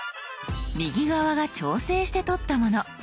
右側が調整して撮ったもの。